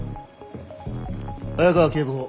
早川警部補。